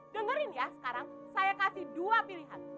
dengerin ya sekarang saya kasih dua pilihan